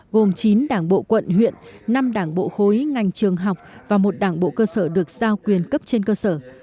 gồm chín đảng bộ quận huyện năm đảng bộ khối ngành trường học và một đảng bộ cơ sở được giao quyền cấp trên cơ sở